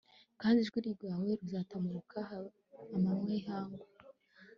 kandi urwijiji rwawe ruzatamuruka habe amanywa y'ihangu